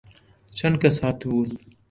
چەند کەس هاتبوون؟